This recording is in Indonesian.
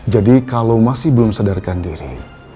jadi kalau masih belum sadarkan diri